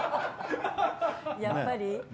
やっぱり？